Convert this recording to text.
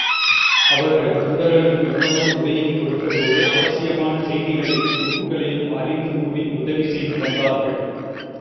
அவர்கள் தொண்டர்களுக்கு உணவும் உடையும் கொடுத்ததோடு அவசியமான செய்திகளையும் துப்புகளையும் அறிந்து கூறி உதவி செய்து வந்தார்கள்.